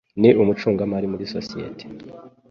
Ni umucungamari muri sosiyete.